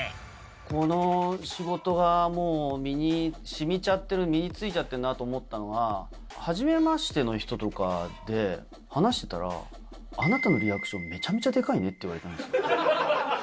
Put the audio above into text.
この仕事がもう身にしみちゃってる、身についちゃってるなって思ったのは、はじめましての人とかで、話してたら、あなたのリアクション、めちゃめちゃでかいねって言われたんですよ。